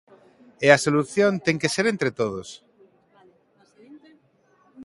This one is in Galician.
E a solución ten que ser entre todos.